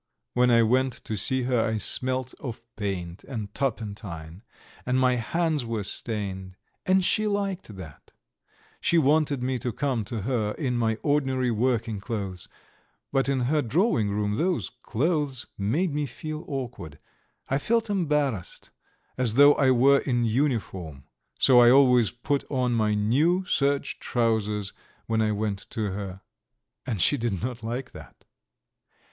When I went to see her I smelt of paint and turpentine, and my hands were stained and she liked that; she wanted me to come to her in my ordinary working clothes; but in her drawing room those clothes made me feel awkward. I felt embarrassed, as though I were in uniform, so I always put on my new serge trousers when I went to her. And she did not like that.